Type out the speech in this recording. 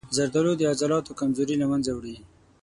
زردآلو د عضلاتو کمزوري له منځه وړي.